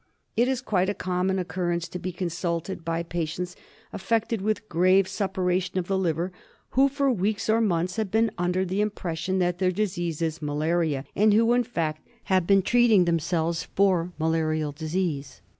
It is quite a common occurrence to be consulted by patients affected with grave suppuration of the liver, who for weeks or even months have been under the impression that their disease is malaria, and who, in fact, have been treating themselves for malarial disease.